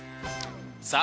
さあ